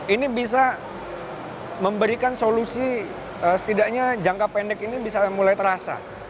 ini bisa memberikan solusi setidaknya jangka pendek ini bisa mulai terasa